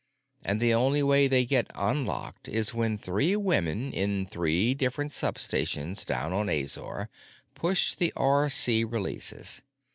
And the only way they get unlocked is when three women, in three different substations down on Azor, push the RC releases.